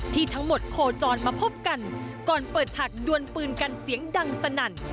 ทั้งหมดโคจรมาพบกันก่อนเปิดฉากดวนปืนกันเสียงดังสนั่น